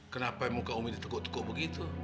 kenapa muka umi dia tekuk tekuk begitu